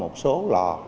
một số lò